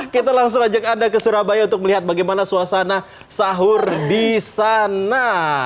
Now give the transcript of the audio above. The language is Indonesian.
kita langsung ajak anda ke surabaya untuk melihat bagaimana suasana sahur di sana